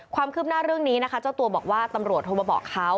ความคืบหน้าเรื่องนี้นะคะเจ้าตัวบอกว่าตำรวจโทรมาบอกเขา